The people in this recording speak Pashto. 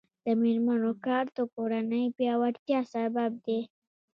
د میرمنو کار د کورنۍ پیاوړتیا سبب دی.